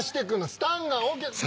スタンガン置け。